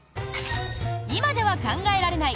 今では考えられない！